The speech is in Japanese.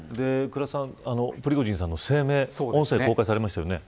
プリゴジンさんの声明が公開されましたよね。